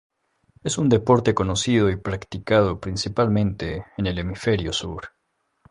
Es un deporte conocido y practicado principalmente en el hemisferio sur.